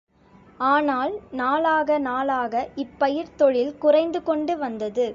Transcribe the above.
ஆனால், நாளாக நாளாக இப் பயிர்த் தொழில் குறைந்து கொண்டு வந்தது.